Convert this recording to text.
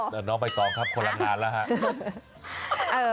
แต่น้องไปต่อครับคนละนานแล้วฮะ